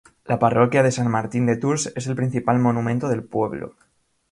La parroquia de San Martín de Tours es el principal monumento del pueblo.